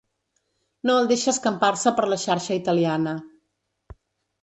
No el deixa escampar-se per la xarxa italiana.